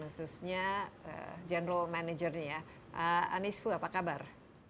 khususnya general manager nya ya anis vu apa kabar